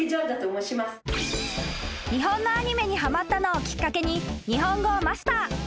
［日本のアニメにはまったのをきっかけに日本語をマスター。